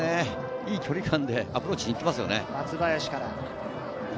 いい距離感でアプローチに行くんですよね。